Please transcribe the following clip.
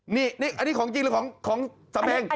นี่อันนี้ของจริงหรือของสำเพ็ง